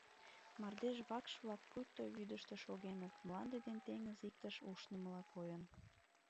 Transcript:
Мардеж вакш-влак пуйто вӱдыштӧ шогеныт, — мланде ден теҥыз иктыш ушнымыла койын.